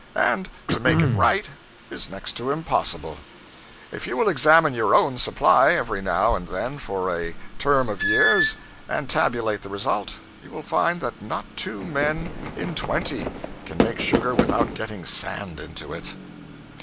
And to make it right, is next to impossible. If you will examine your own supply every now and then for a term of years, and tabulate the result, you will find that not two men in twenty can make sugar without getting sand into it.